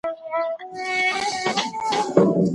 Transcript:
د کوچني دپاره تاسي باید خپلي پوهني ته پام وکړئ.